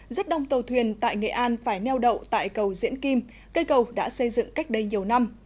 rất đông tàu thuyền tại nghệ an phải neo đậu tại cầu diễn kim cây cầu đã xây dựng cách đây nhiều năm